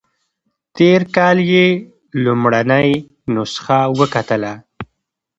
تېر کال یې لومړنۍ نسخه وکتله.